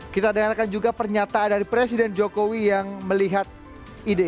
kita dengarkan juga pernyataan dari presiden jokowi yang melihat ide ini